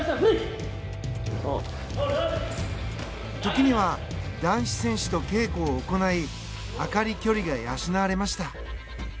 時には、男子選手と稽古を行い朱理距離が養われました。